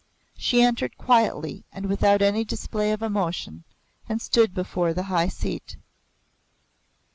She entered quietly and without any display of emotion and stood before the high seat.